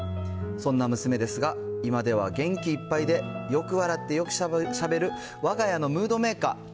そんな娘ですが、今では元気いっぱいで、よく笑ってよくしゃべるわが家のムードメーカー。